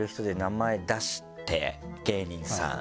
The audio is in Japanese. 芸人さん